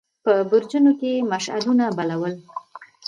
په برجونو کې يې مشعلونه بل ول.